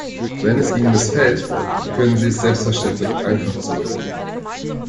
Wenn es Ihnen missfällt, können Sie es selbstverständlich einfach zurückgeben.